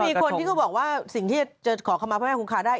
มีคนที่เขาบอกว่าสิ่งที่จะขอคำมาพระแม่คงคาได้